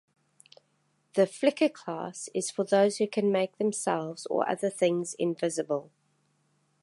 The Flicker class is for those who can make themselves or other things invisible.